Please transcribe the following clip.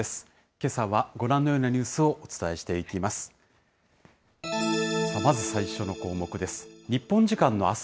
けさはご覧のようなニュースをお伝えしていきます。